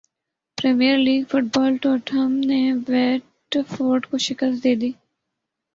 premiere League football Tottenham نے Watford کو شکست دیدی